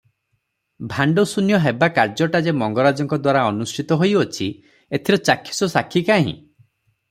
ଭାଣ୍ଡଶୂନ୍ୟ ହେବା କାର୍ଯ୍ୟଟା ଯେ ମଙ୍ଗରାଜଙ୍କ ଦ୍ଵାରା ଅନୁଷ୍ଠିତ ହୋଇଅଛି, ଏଥିର ଚାକ୍ଷୁଷ ସାକ୍ଷୀ କାହିଁ?